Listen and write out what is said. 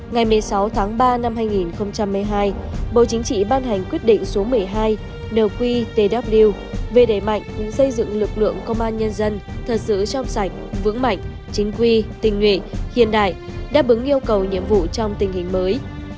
ngày một mươi sáu tháng ba năm hai nghìn hai mươi hai bộ chính trị ban hành quyết định số một mươi hai nqtw về đẩy mạnh xây dựng lực lượng công an nhân dân thật sự trong sạch vững mạnh chính quy tình nguyện hiện đại đáp ứng yêu cầu nhiệm vụ trong tình hình mới